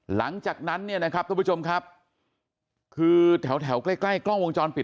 หลังจากนั้นเนี่ยนะครับทุกผู้ชมครับคือแถวแถวใกล้ใกล้กล้องวงจรปิด